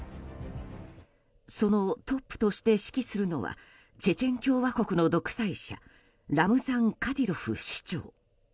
そのトップとして指揮するのはチェチェン共和国の独裁者ラムザン・カディロフ首長。